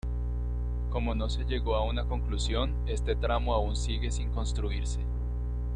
Como no se llegó a una conclusión, este tramo aún sigue sin construirse.